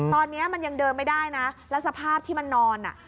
ตอนนี้มันยังเดินไม่ได้นะแล้วสภาพที่มันนอน